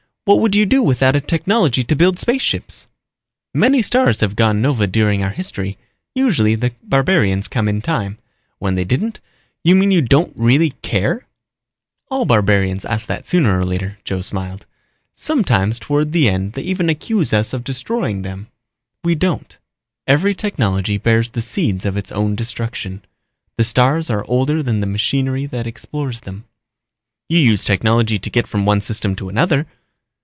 What would you do without a technology to build spaceships?" "Many stars have gone nova during our history. Usually the barbarians came in time. When they didn't " "You mean you don't really care?" "All barbarians ask that sooner or later," Joe smiled. "Sometimes toward the end they even accuse us of destroying them. We don't. Every technology bears the seeds of its own destruction. The stars are older than the machinery that explores them." "You used technology to get from one system to another."